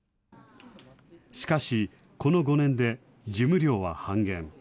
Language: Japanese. しかし、この５年で事務量は半減。